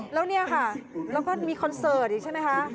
แล้วเนี่ยค่ะแล้วก็มีคอนเสิร์ตอีกใช่ไหมคะ